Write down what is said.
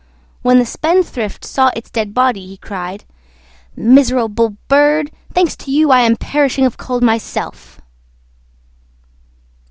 When the Spendthrift saw its dead body he cried, "Miserable bird! Thanks to you I am perishing of cold myself."